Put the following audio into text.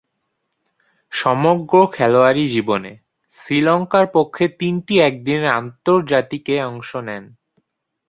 সমগ্র খেলোয়াড়ী জীবনে শ্রীলঙ্কার পক্ষে তিনটি একদিনের আন্তর্জাতিকে অংশ নেন।